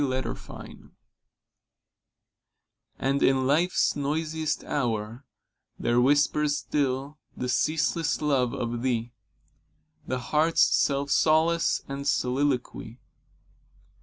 25 And in Life's noisiest hour There whispers still the ceaseless love of thee, The heart's self solace } and soliloquy.